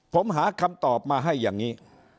ผมหาคำตอบมาให้อย่างนี้